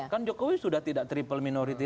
kan jokowi sudah tidak triple minority